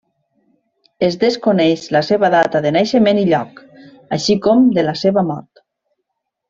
Es desconeix la seva data de naixement i lloc, així com de la seva mort.